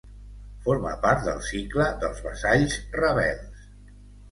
Forma part del cicle dels vassalls rebels.